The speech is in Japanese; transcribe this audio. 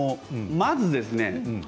まずですね